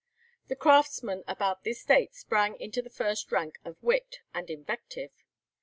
The 'Craftsman' about this date sprang into the first rank for wit and invective.